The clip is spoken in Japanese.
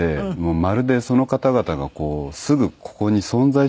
まるでその方々がすぐここに存在してるようなね